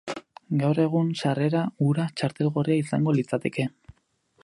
Gaur egun, sarrera hura txartel gorria izango litzateke.